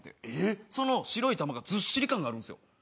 その白い球がずっしり感があるんですよ。